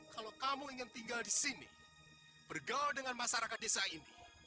kalau kamu ingin tinggal di sini bergaul dengan masyarakat desa ini